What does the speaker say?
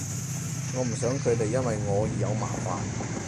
我唔想佢哋因為我而有麻煩